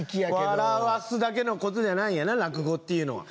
笑わすだけのことじゃないんやな落語っていうのは。